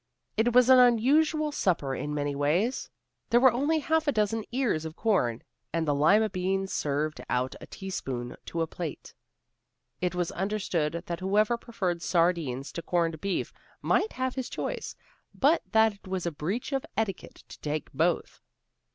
It was an unusual supper in many ways. There were only half a dozen ears of corn, and the lima beans served out a teaspoonful to a plate. It was understood that whoever preferred sardines to corned beef might have his choice, but that it was a breach of etiquette to take both.